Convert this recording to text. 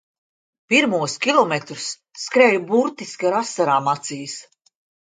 Pirmos kilometrus skrēju burtiski ar asarām acīs.